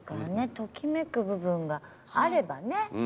ときめく部分があればね。